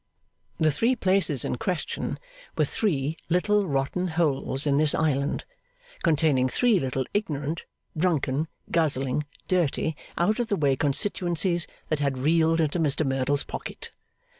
The three places in question were three little rotten holes in this Island, containing three little ignorant, drunken, guzzling, dirty, out of the way constituencies, that had reeled into Mr Merdle's pocket.